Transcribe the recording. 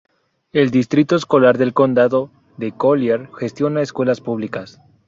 El Distrito Escolar del Condado de Collier gestiona escuelas públicas.